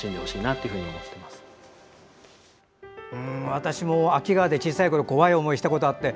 私も秋川で小さいころ怖い思いをしたことがあって。